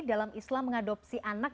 dalam islam mengadopsi anak